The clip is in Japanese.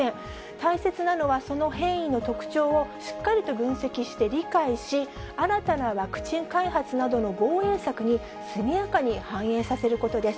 大切なのは、その変異の特徴をしっかりと分析して理解し、新たなワクチン開発などの防衛策に速やかに反映させることです。